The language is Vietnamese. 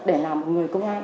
để làm một người công an